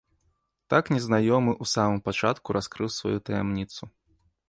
Так незнаёмы ў самым пачатку раскрыў сваю таямніцу.